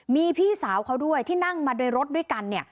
มีพี่สาวเขาด้วยที่นั่งมาโดยรถด้วยกัน